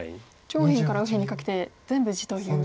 上辺から右辺にかけて全部地という。